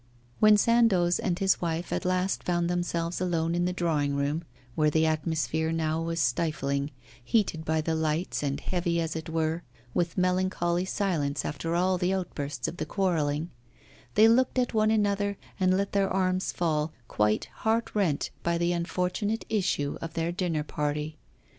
When Sandoz and his wife at last found themselves alone in the drawing room, where the atmosphere now was stifling heated by the lights and heavy, as it were, with melancholy silence after all the outbursts of the quarrelling they looked at one another and let their arms fall, quite heart rent by the unfortunate issue of their dinner party.